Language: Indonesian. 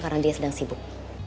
karena dia sedang sibuk